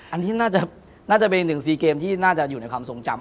อันนี้น่าจะเป็นอีกหนึ่งซีเกมที่น่าจะอยู่ในความทรงจำ